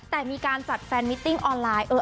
แต่มีการจัดแฟนมิติ้งออนไลน์